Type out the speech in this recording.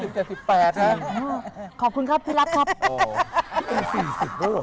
จริงขอบคุณครับพี่รักครับ